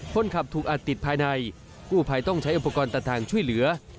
คนขับถูกอัดติดภายในกู้ภัยต้องใช้อุปกรณ์ตัดทางช่วยเหลือ